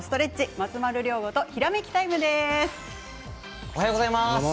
松丸亮吾とひらめきタイムです。